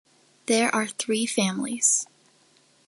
There are three families.